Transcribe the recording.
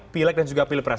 pilek dan juga pilepres